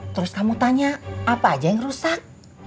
terus kamu tanya apa aja yang rusak